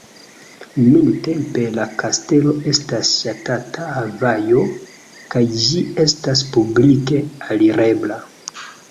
Nuntempe la kastelo estas ŝtata havaĵo kaj ĝi estas publike alirebla.